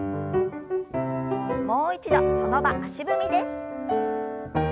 もう一度その場足踏みです。